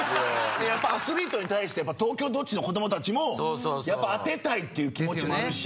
やっぱアスリートに対して東京ドッジの子供たちもやっぱ当てたいって気持ちもあるし。